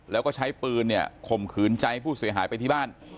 แล้วก็ใช้ปืนเนี่ยข่มขืนใจผู้เสียหายไปที่บ้าน